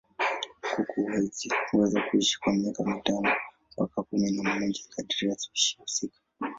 Kuku huweza kuishi kwa miaka mitano mpaka kumi na moja kadiri ya spishi husika.